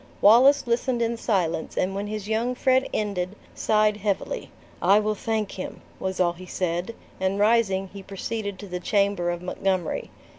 Wallace listened in silence and when his young friend ended, sighed heavily, "I will thank him," was all he said; and rising, he proceeded to the chamber of Montgomery.